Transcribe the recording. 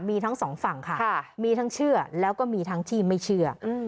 มีทั้งสองฝั่งค่ะมีทั้งเชื่อแล้วก็มีทั้งที่ไม่เชื่อ